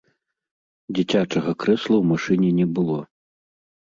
Дзіцячага крэсла ў машыне не было.